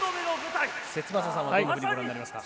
節政さんはどのようにご覧になりますか。